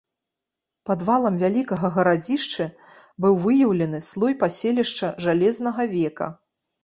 Пад валам вялікага гарадзішчы быў выяўлены слой паселішча жалезнага века.